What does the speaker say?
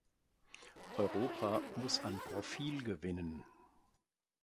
Europa muss an Profil gewinnen.